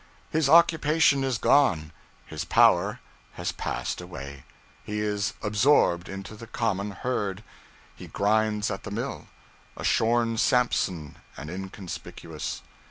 His occupation is gone, his power has passed away, he is absorbed into the common herd, he grinds at the mill, a shorn Samson and inconspicuous.